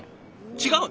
違う？